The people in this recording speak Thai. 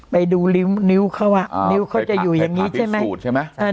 ไปดูนิ้วเขาอ่ะนิ้วเขาจะอยู่อย่างนี้ใช่ไหมขูดใช่ไหม